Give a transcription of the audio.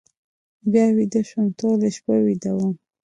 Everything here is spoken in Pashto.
بیا ویده شوم، ټوله شپه ویده وم.